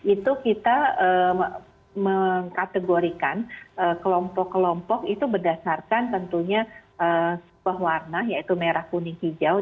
itu kita mengkategorikan kelompok kelompok itu berdasarkan tentunya sebuah warna yaitu merah kuning hijau